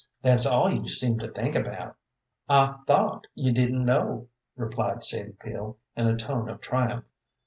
That's all you seem to think about." "I thought you didn't know," replied Sadie Peel, in a tone of triumph.